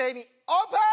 オープン！